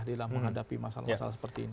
dilambung hadapi masalah masalah seperti ini